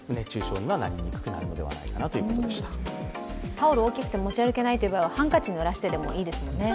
タオル、大きくて持ち歩けない場合はハンカチ濡らしてでもいいですよね。